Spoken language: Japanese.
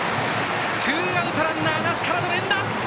ツーアウトランナーなしからの連打！